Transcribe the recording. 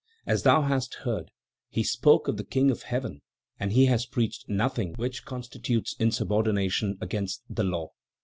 "As thou hast heard, he spoke of the King of Heaven, and he has preached nothing which constitutes insubordination against the law."